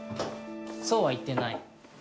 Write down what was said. そうは言ってない。